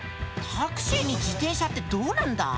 タクシーに自転車ってどうなんだ？